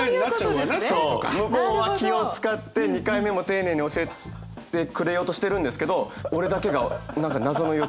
向こうは気を遣って２回目も丁寧に教えてくれようとしてるんですけど俺だけが何か謎の予知能力。